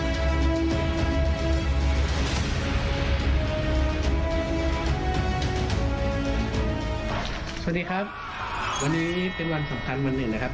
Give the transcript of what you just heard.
สวัสดีครับวันนี้เป็นวันสำคัญวันหนึ่งนะครับ